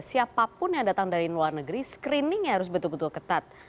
siapapun yang datang dari luar negeri screeningnya harus betul betul ketat